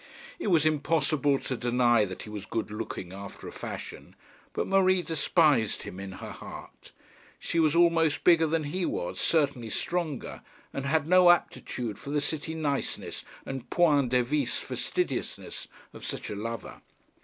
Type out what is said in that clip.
It was impossible to deny that he was good looking after a fashion; but Marie despised him in her heart. She was almost bigger than he was, certainly stronger, and had no aptitude for the city niceness and POINT DEVICE fastidiousness of such a lover.